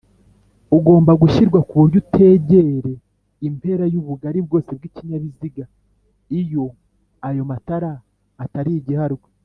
ugomba gushyirwa kuburyo utegere impera y’ubugali bwose bw’ikinyabiziga iyo ayo matara Atari igiharwe